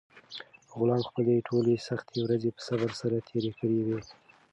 غلام خپلې ټولې سختې ورځې په صبر سره تېرې کړې وې.